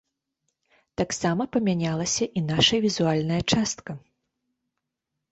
Таксама памянялася і наша візуальная частка.